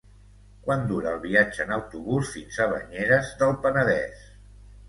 Quant dura el viatge en autobús fins a Banyeres del Penedès?